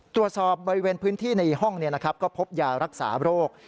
บริเวณพื้นที่ในห้องก็พบยารักษาโรค